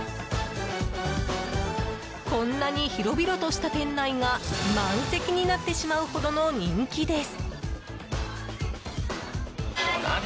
こんなに広々とした店内が満席になってしまうほどの人気です。